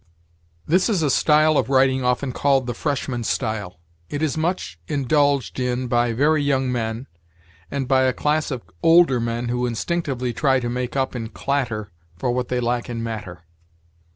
This is a style of writing often called the freshman style. It is much indulged in by very young men, and by a class of older men who instinctively try to make up in clatter for what they lack in matter.